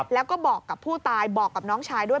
แล้วก็บอกกับผู้ตายบอกกับน้องชายด้วย